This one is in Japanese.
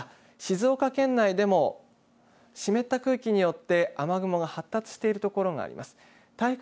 そして台風の中心からやや離れた静岡県内でも湿った空気によって雨雲が発達しているところがあります。